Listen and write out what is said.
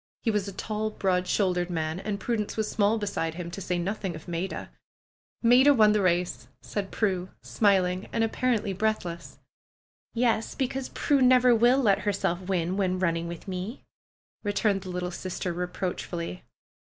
He was a tall, broad shouldered man, and Prudence was small beside him, to say nothing of Maida. ^^Maida won the race!'' said Prue, smiling and ap parently breathless. ^^Yes ! Because Prue never will let herself win when running with me," returned the little sister reproach fully.